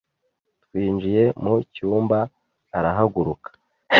Twinjiye mu cyumba, arahaguruka.